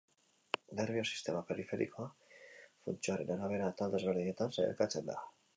Nerbio-sistema periferikoa funtzioaren arabera atal desberdinetan sailkatzen da.